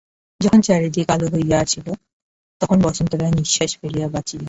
যখন চারিদিক আলো হইয়া আসিল তখন বসন্ত রায় নিশ্বাস ফেলিয়া বাঁচিলেন।